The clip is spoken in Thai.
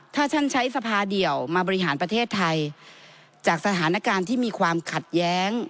ถ้าท่านใช้สภาเดี่ยวมาบริหารประเทศไทยจากสถานการณ์ที่มีความขัดแย้ง